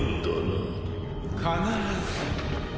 必ず。